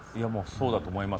そうだと思います。